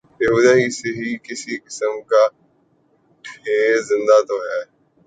بیہودہ ہی سہی کسی قسم کا تھیٹر زندہ تو ہے۔